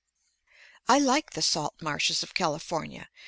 I like the salt marshes of California.